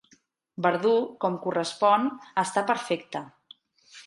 Verdú, com correspon, està perfecta.